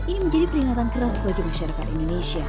ini menjadi peringatan keras bagi masyarakat indonesia